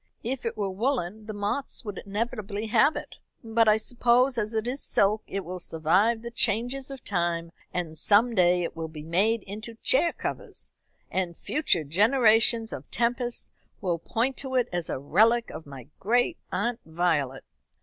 If it were woolen, the moths would inevitably have it; but, I suppose, as it is silk it will survive the changes of time; and some day it will be made into chair covers, and future generations of Tempests will point to it as a relic of my great aunt Violet."